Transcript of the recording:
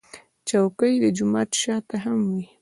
چوکۍ د جومات شا ته هم وي.